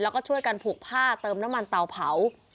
แล้วก็ช่วยกันผูกผ้าเติมน้ำมันเตาเผา